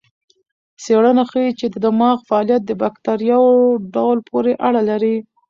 څېړنه ښيي چې د دماغ فعالیت د بکتریاوو ډول پورې اړه لري.